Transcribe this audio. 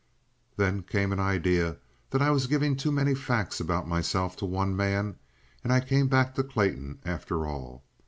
Then came an idea that I was giving too many facts about myself to one man, and I came back to Clayton after all.